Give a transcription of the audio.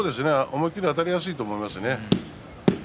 思い切りあたりやすいと思います。